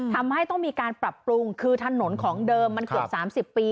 ทำให้ต้องมีการปรับปรุงคือถนนของเดิมมันเกือบ๓๐ปี